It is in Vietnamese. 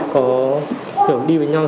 có kiểu đi với nhau